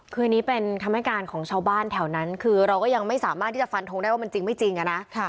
คืออันนี้เป็นคำให้การของชาวบ้านแถวนั้นคือเราก็ยังไม่สามารถที่จะฟันทงได้ว่ามันจริงไม่จริงอะนะ